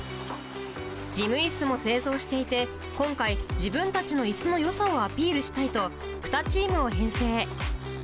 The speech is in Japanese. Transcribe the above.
事務いすも製造していて、今回、自分たちのいすのよさをアピールしたいと、２チームを編成。